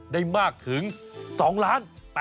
ได้มากถึง๒๐๘๖๐๐๐บาท